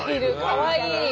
かわいい。